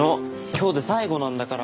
今日で最後なんだから。